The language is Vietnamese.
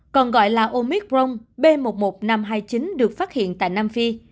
còn gọi là omicron b một một năm trăm hai mươi chín được phát hiện tại nam phi